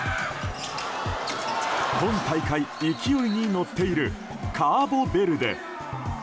今大会、勢いに乗っているカーボベルデ。